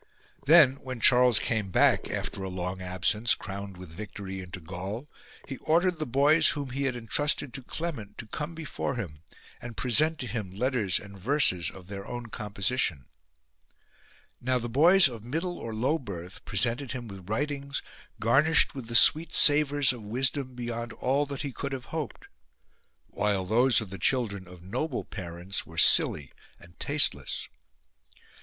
Then when Charles came back, after a long absence, crowned with victory, into Gaul, he ordered the boys whom he had entrusted to Clement to come before him and present to him letters and verses of their own composition. Now the boys of middle or low birth presented him with writings garnished with the sweet savours of wisdom beyond all that he could have hoped, while those of the children of noble parents were silly and tasteless.